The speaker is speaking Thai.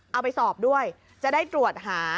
เอาไปสอบด้วยจะได้ตรวจหา